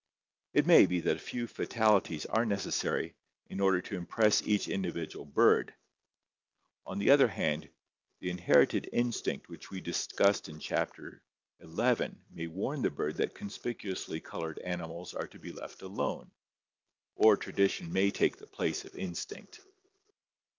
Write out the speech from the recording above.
It may be that a few fatalities are necessary in order to impress each individual bird; on the other hand, the 236 ORGANIC EVOLUTION inherited instinct which we discussed in Chapter XI may warn the bird that conspicuously colored animals are to be left alone, or tradition may take the place of instinct.